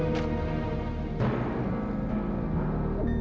maaf ya gustaf perluan